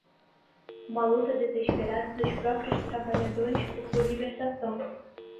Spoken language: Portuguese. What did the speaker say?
uma luta desesperada dos próprios trabalhadores por sua libertação